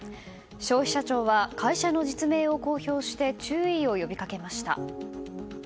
消費者庁は会社の実名を公表して注意を呼びかけました。